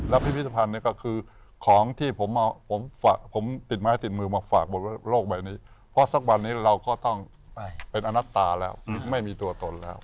พิพิธภัณฑ์เนี่ยก็คือของที่ผมติดไม้ติดมือมาฝากบนโลกใบนี้เพราะสักวันนี้เราก็ต้องเป็นอนัตตาแล้วไม่มีตัวตนแล้ว